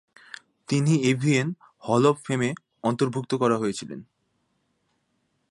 তিনি AVN hall of ফেমে অন্তর্ভুক্ত করা হয়েছিলেন।